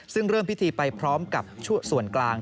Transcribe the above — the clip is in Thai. ซึ่งเริ่มพิธีไปพร้อมกับส่วนกลาง